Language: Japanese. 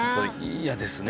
嫌ですね